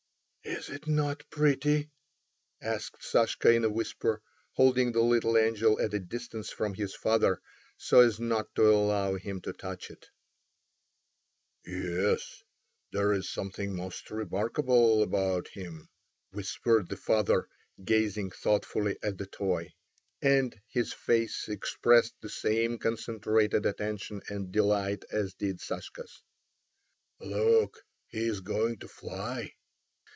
"Is it not pretty?" asked Sashka in a whisper, holding the little angel at a distance from his father, so as not to allow him to touch it. "Yes, there's something most remarkable about him," whispered the father, gazing thoughtfully at the toy. And his face expressed the same concentrated attention and delight, as did Sashka's. "Look, he is going to fly."